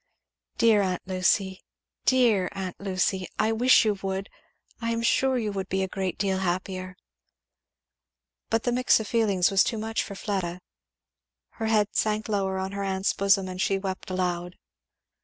"Dear aunt Lucy dear aunt Lucy I wish you would! I am sure you would be a great deal happier " But the mixture of feelings was too much for Fleda; her head sank lower on her aunt's bosom and she wept aloud.